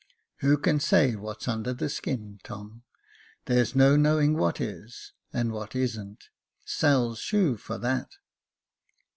" Who can say what's under the skin, Tom ? There's no knowing what is, and what isn't — Sail's shoe for that."